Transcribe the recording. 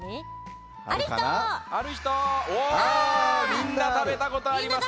みんなたべたことありますね。